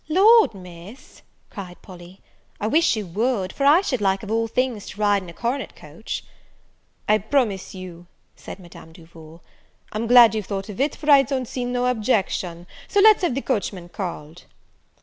"Lord, Miss," cried Polly, "I wish you would; for I should like of all things to ride in a coronet coach." "I promise you," said Madame Duval, "I'm glad you've thought of it, for I don't see no objection; so let's have the coachman called."